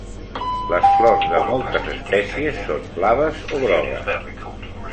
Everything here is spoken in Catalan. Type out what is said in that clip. Les flors de moltes espècies són blaves o grogues.